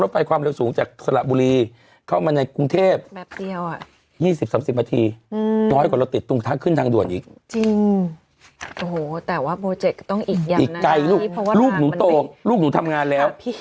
โอ้โหแต่ว่าโปรเจคต้องอีกยังนะอีกไกลลูกลูกหนูโตลูกหนูทำงานแล้ว